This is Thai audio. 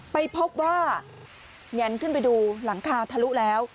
ไปพบว่าแงนขึ้นไปดูหลังคาทะลุแล้ว